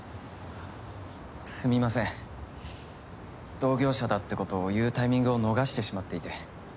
同業者だってことを言うタイミングを逃してしまっていて。